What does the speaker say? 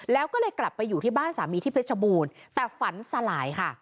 แล้วก็เลยกลับไปอยู่ที่บ้านสามีที่เพชรบูรณ์แต่ฝันสลายค่ะ